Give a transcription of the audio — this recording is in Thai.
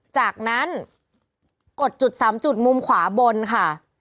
จากนั้นกดจุด๓จุดมุมขวาบนค่ะ